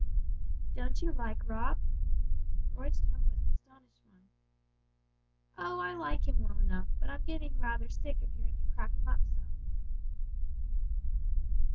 "Don't you like Rob?" Roy's tone was an astonished one. "Oh, I like him well enough, but I'm getting rather sick of hearing you crack him up so."